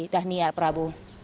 dhani al prabu